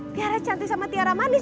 tiara cantik sama tiara manis